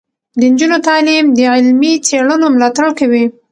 د نجونو تعلیم د علمي څیړنو ملاتړ کوي.